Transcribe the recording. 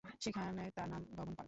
সেখানে তার নাম গগন পাল।